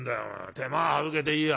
手間が省けていいや。